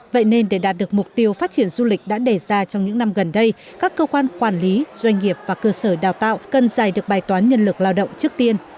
vậy nên để đạt được mục tiêu phát triển du lịch đã đề ra trong những năm gần đây các cơ quan quản lý doanh nghiệp và cơ sở đào tạo cần giải được bài toán nhân lực lao động trước tiên